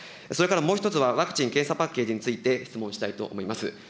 それからもう一つは、ワクチン・検査パッケージについて、質問したいと思います。